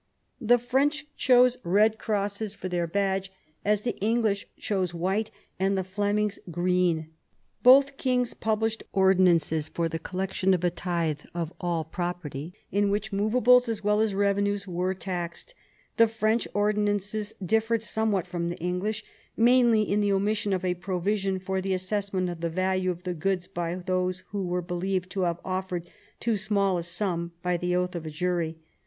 The French chose red crosses for their badge, as the English chose white and the Flemings green. Both kings published ordinances for the collection of a tithe of all property, in which movables as well as revenues were taxed. The French ordinance differed somewhat from the English — mainly in the omission of a provision for the assessment of the value of the goods of those who were believed to have offered too small a sum, by the oath of a jury.